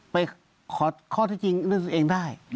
ไปขอข้อที่จริงเรื่องตัวเองได้